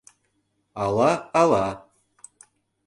Ала-ала.